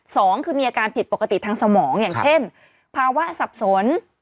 สองคือมีอาการผิดปกติทางสมองอย่างเช่นภาวะสับสน